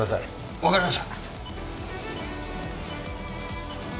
わかりました。